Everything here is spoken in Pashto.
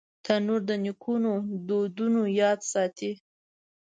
تنور د نیکو دودونو یاد ساتي